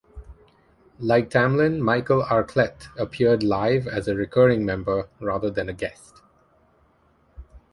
Like Tamlyn, Michael Areklett appeared live as a recurring member, rather than a guest.